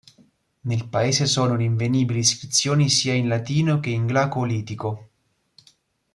Nel paese sono rinvenibili iscrizioni sia in latino che in glagolitico.